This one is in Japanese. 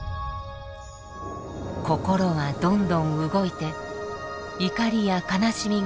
心はどんどん動いて怒りや悲しみが生まれます。